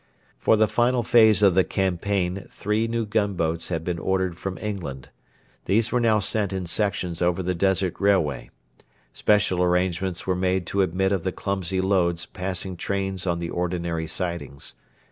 For the final phase of the campaign three new gunboats had been ordered from England. These were now sent in sections over the Desert Railway. Special arrangements were made to admit of the clumsy loads passing trains on the ordinary sidings.